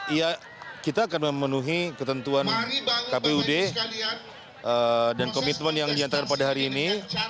iya kita akan memenuhi ketentuan kpud dan komitmen yang diantarkan pada hari ini